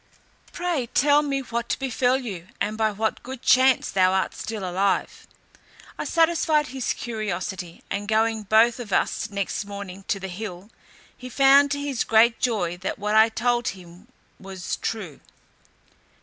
Pray tell me what befell you, and by what good chance thou art still alive." I satisfied his curiosity, and going both of us next morning to the hill, he found to his great joy that what I had told him was true.